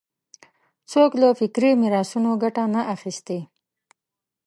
څوک له فکري میراثونو ګټه نه اخیستی